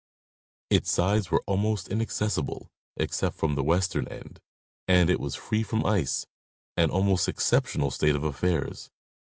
Its sides were almost inaccessible, except from the western end, and it was free from ice, an almost exceptional state of affairs.